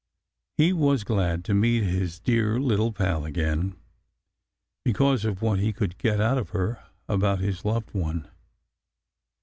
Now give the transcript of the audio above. He was glad to meet his "dear little pal" again, because of what he could get out of her about his loved one.